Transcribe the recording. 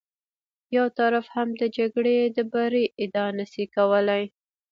یو طرف هم د جګړې د بري ادعا نه شي کولی.